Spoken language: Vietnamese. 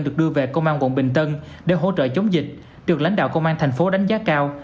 được đưa về công an quận bình tân để hỗ trợ chống dịch được lãnh đạo công an thành phố đánh giá cao